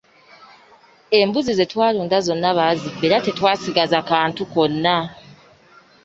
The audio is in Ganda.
Embuzi ze twalunda zonna baazibba era tetwasigaza kantu konna.